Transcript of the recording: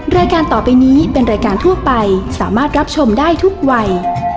รายการต่อไปนี้เป็นรายการทั่วไปสามารถรับชมได้ทุกวัย